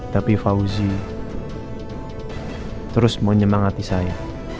tapi fauzi terus menyemangati saya